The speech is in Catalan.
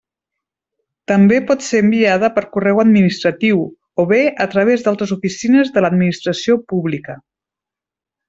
També pot ser enviada per correu administratiu, o bé a través d'altres oficines de l'Administració Pública.